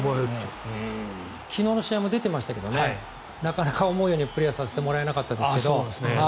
昨日の試合も出ていましたけどなかなか思うようにプレーをさせてもらえなかったですけど。